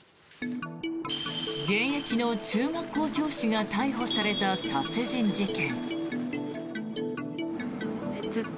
現役の中学校教師が逮捕された殺人事件。